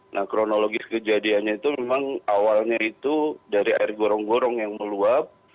nah kronologis kejadiannya itu memang awalnya itu dari air gorong gorong yang meluap